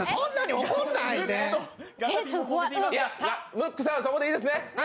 ムックさん、そこでいいですね？